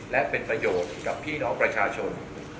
และเป็นประโยชน์กับพี่น้องประชาชน